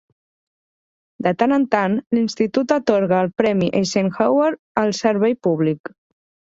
De tant en tant, l'Institut atorga el Premi Eisenhower al Servei Públic.